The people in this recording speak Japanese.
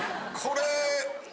これ。